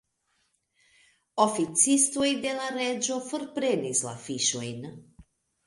Oficistoj de la reĝo forprenis la fiŝojn.